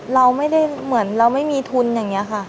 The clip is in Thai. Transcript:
เราไม่ได้เหมือนเราไม่มีทุนอย่างนี้ค่ะ